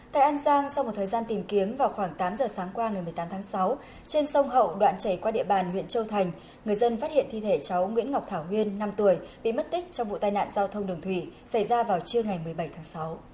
tại an giang sau một thời gian tìm kiếm vào khoảng tám giờ sáng qua ngày một mươi tám tháng sáu trên sông hậu đoạn chảy qua địa bàn huyện châu thành người dân phát hiện thi thể cháu nguyễn ngọc thảo huyên năm tuổi bị mất tích trong vụ tai nạn giao thông đường thủy xảy ra vào trưa ngày một mươi bảy tháng sáu